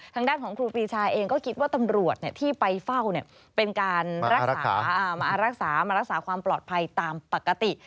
ทางด้านของครูปีชาเองก็คิดว่าตำรวจที่ไปเฝ้าเป็นการรักษามารักษามารักษาความปลอดภัยตามปกติ